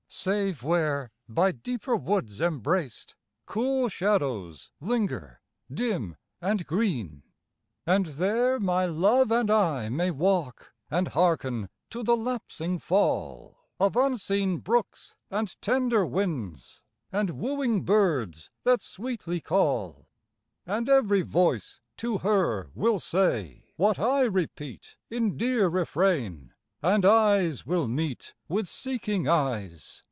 Save where, by deeper woods embraced. Cool shadows linger, dim and green. And there my love and I may walk And harken to the lapsing fall Of unseen brooks and tender winds. And wooing birds that sweetly call. And every voice to her will say What I repeat in dear refrain, And eyes will meet with seeking eyes.